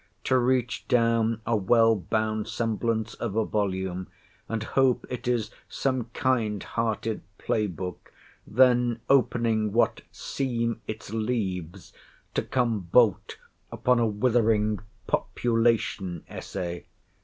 To reach down a well bound semblance of a volume, and hope it is some kind hearted play book, then, opening what "seem its leaves," to come bolt upon a withering Population Essay.